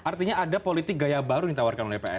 artinya ada politik gaya baru yang ditawarkan oleh pks